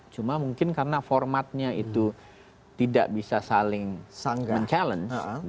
cuma mungkin karena formatnya itu tidak bisa saling mencabar